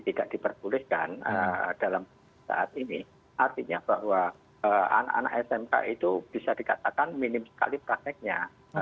tidak diperbolehkan dalam saat ini artinya bahwa anak anak smk itu bisa dikatakan minim sekali prakteknya